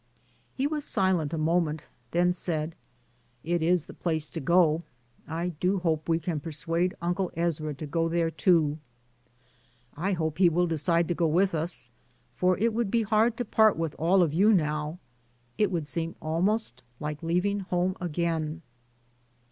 He was silent a moment, then said, "It is the place to go. I do hope we can persuade Uncle Ezra to go there, too." 100 DAYS ON THE ROAD. "I hope he will decide to go with us, for it would be hard to part with all of you now. It would seem almost like leaving home again."